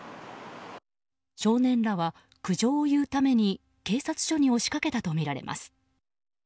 少年らは苦情を言うために警察署に押しかけたとみられます。